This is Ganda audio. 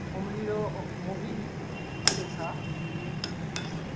Omuliro mubi okuguleka mu nnyumba.